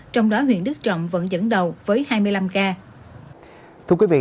trong đó huyện đức trọng vẫn dẫn đầu với hai mươi năm ca